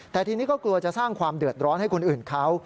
แต่ทีนี้ก็กลัวจะสร้างความเดือดร้อนให้คนอื่นเขา